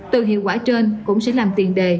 từ hiệu quả trên cũng sẽ làm tiền đề